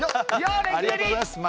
ありがとうございます。